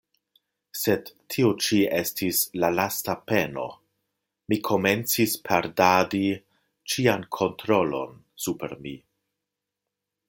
Sed tio ĉi estis la lasta peno; mi komencis perdadi ĉian kontrolon super mi.